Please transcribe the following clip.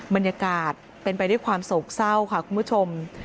บรรยากาศเป็นไปด้วยความโศกเศร้าค่ะคุณผู้ชม